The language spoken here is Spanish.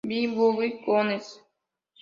Big Bubba Rogers.